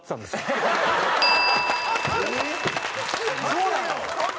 そうなの？